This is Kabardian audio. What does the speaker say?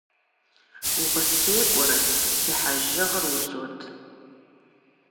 УкъыстекӀуэрэ, - си хьэжыгъэр узот.